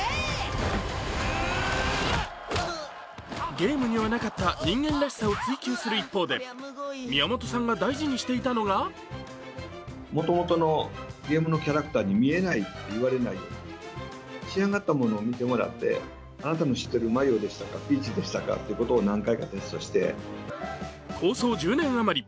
ゲームにはなかった人間らしさを追求する一方で宮本さんが大事にしていたのが構想１０年余り。